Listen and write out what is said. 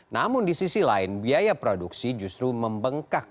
namun di sisi lain biaya produksi justru membengkak